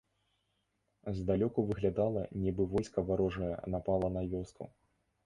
Здалёку выглядала, нібы войска варожае напала на вёску.